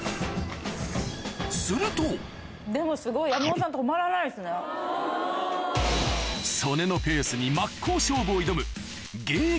すると曽根のペースに真っ向勝負を挑む現役